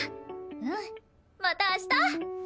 うんまた明日！